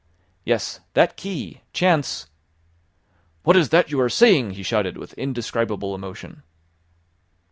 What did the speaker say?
"Yes, that key, chance " "What is that you are saying?" he shouted with indescribable emotion.